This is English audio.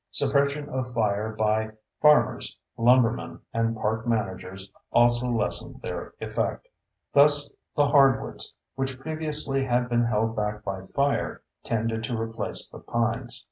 Suppression of fire by farmers, lumbermen, and park managers also lessened their effect. Thus the hardwoods, which previously had been held back by fire, tended to replace the pines.